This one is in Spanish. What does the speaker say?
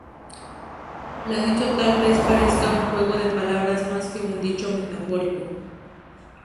Lo dicho tal vez parezca un juego de palabras más que un dicho metafórico.